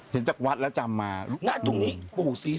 เป็นพระยานาคหรือเป็นคน